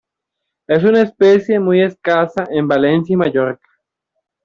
Es una especie muy escasa en Valencia y Mallorca.